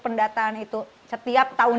pendataan itu setiap tahun